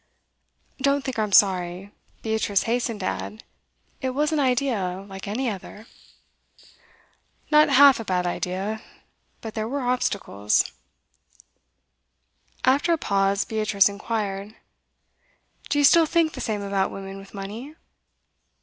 'Don't think I'm sorry,' Beatrice hastened to add. 'It was an idea, like any other.' 'Not half a bad idea. But there were obstacles.' After a pause, Beatrice inquired: 'Do you still think the same about women with money?